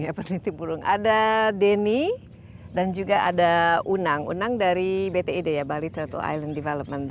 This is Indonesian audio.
ada denny dan juga ada unang dari btid bali turtle island development